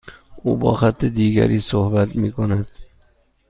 او با خط دیگری صحبت میکند.